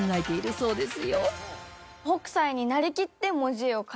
そうです。